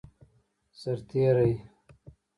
سرتیری